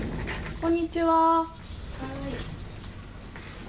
こんにちは。